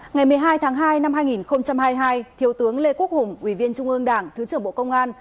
ngày một mươi hai tháng hai năm hai nghìn hai mươi hai thiếu tướng lê quốc hùng ủy viên trung ương đảng thứ trưởng bộ công an